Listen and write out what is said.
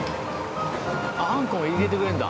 あんこも入れてくれるんだ。